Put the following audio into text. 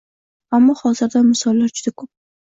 Ammo hozirda misollar juda ko‘p: